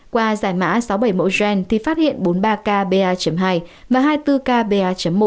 qua giải mã sáu mươi bảy mẫu gen thì phát hiện bốn mươi ba k ba hai và hai mươi bốn k ba một